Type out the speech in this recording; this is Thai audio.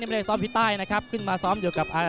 ไม่ได้ซ้อมที่ใต้นะครับขึ้นมาซ้อมอยู่กับอ่า